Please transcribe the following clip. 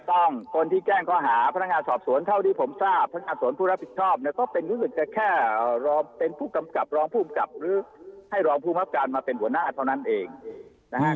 ต้องคนที่แจ้งข้อหาพนักงานสอบสวนเท่าที่ผมทราบพนักงานสวนผู้รับผิดชอบเนี่ยก็เป็นรู้สึกจะแค่รอเป็นผู้กำกับรองผู้กำกับหรือให้รองภูมิครับการมาเป็นหัวหน้าเท่านั้นเองนะฮะ